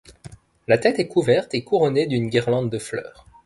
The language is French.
La tête est couverte et couronné d'une guirlande de fleurs.